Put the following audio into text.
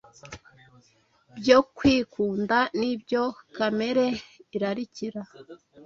byo kwikunda n’ibyo kamere irarikira